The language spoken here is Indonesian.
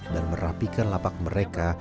dan merapikan lapak mereka